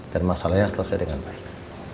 dan masalahnya selesai dengan baik